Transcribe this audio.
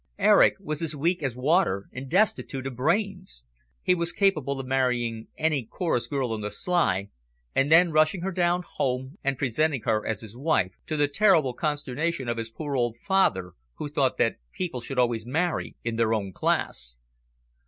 Eric was as weak as water and destitute of brains. He was capable of marrying any chorus girl on the sly, and then rushing her down home and presenting her as his wife, to the terrible consternation of his poor old father, who thought that people should always marry in their own class.